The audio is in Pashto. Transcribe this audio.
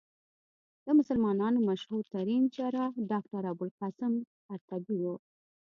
د مسلمانانو مشهورترين جراح ډاکټر ابوالقاسم قرطبي وو.